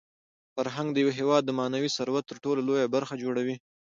فرهنګ د یو هېواد د معنوي ثروت تر ټولو لویه برخه جوړوي.